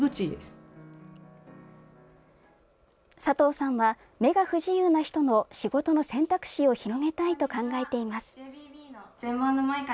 佐藤さんは目が不自由な人の仕事の選択肢を広げたいと考えています。